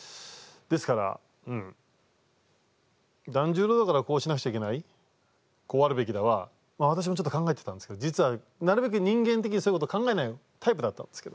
ですから「團十郎だからこうしなくちゃいけないこうあるべきだ」は私もちょっと考えていたんですけど実はなるべく人間的にそういうことを考えないタイプだったんですけどやめます。